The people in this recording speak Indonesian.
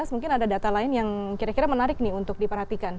mungkin ada data lain yang kira kira menarik nih untuk diperhatikan